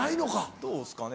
どうですかね。